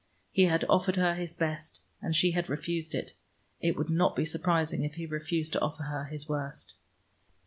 He had offered her his best, and she had refused it; it would not be surprising if he refused to offer her his worst.